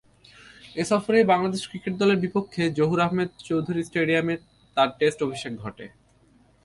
এ সফরেই বাংলাদেশ ক্রিকেট দলের বিপক্ষে জহুর আহমেদ চৌধুরী স্টেডিয়াম এ তার টেস্ট অভিষেক ঘটে।